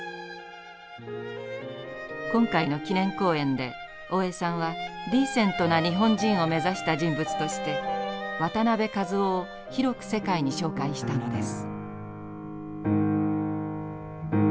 今回の記念講演で大江さんはディーセントな日本人を目指した人物として渡辺一夫を広く世界に紹介したのです。